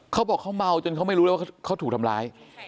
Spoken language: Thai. เขาบอกเขาเมาจนเขาไม่รู้เลยว่าเขาถูกทำร้าย